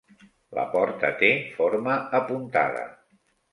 La porta té forma apuntada.